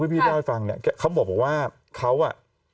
พี่พีชได้ไว้ฟังเนี่ยเขาบอกว่าเขาอ่ะ